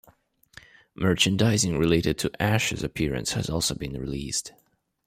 Merchandising related to Ash's appearance has also been released.